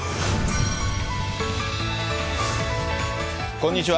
こんにちは。